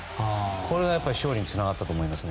これが勝利につながったと思います。